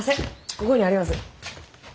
ここにあります。